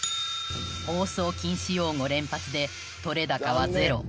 放送禁止用語連発で撮れ高はゼロ